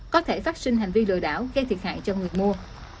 có thể phát sinh hành vi lừa đảo gây thiệt hại cho người mua